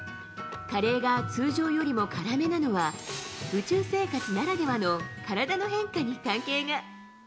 カレーが通常よりも辛めなのは、宇宙生活ならではのカラダの変化に関係が。